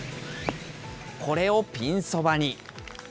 これをピンそばに。